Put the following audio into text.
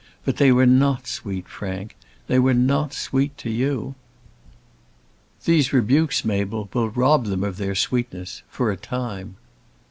But they were not sweet, Frank; they were not sweet to you." "These rebukes, Mabel, will rob them of their sweetness, for a time."